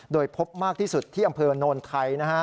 โดยพบมากที่สุดที่อำเภอโนนไทยนะฮะ